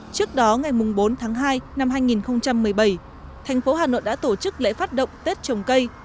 trước đó ngày bốn tháng hai năm hai nghìn một mươi bảy thành phố hà nội đã tổ chức lễ phát động tết trồng cây